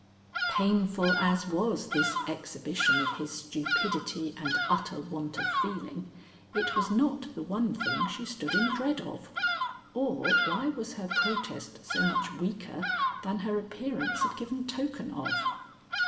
Painful as was this exhibition of his stupidity and utter want of feeling, it was not the one thing she stood in dread of, or why was her protest so much weaker than her appearance had given token of?